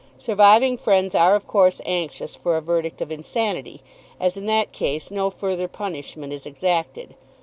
Surviving friends are of course anxious for a verdict of insanity, as in that case no further punishment is exacted.